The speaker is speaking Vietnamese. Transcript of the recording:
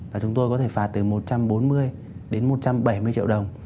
là chúng tôi có thể phạt từ một trăm bốn mươi đến một trăm bảy mươi triệu đồng